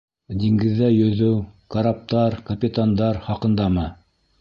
Диңгеҙҙә йөҙөү, караптар, капитандар хаҡындамы?